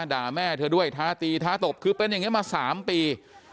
ด่าแม่เธอด้วยท้าตีท้าตบคือเป็นอย่างนี้มา๓ปี